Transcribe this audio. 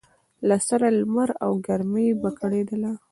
له سره لمر او له ګرمۍ به کړېدله